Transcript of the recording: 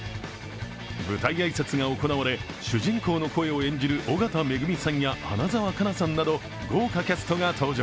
舞台挨拶が行われ、主人公の声を演じる緒方恵美さんや花澤香菜さんなど豪華キャストが登場。